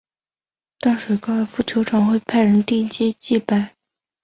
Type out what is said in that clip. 淡水高尔夫球场会派人定期祭拜。